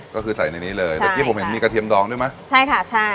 ก็คือใส่ในนี้เลยเมื่อกี้ผมเห็นมีกระเทียมดองด้วยไหมใช่ค่ะใช่